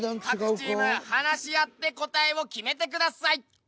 各チーム話し合って答えを決めてください。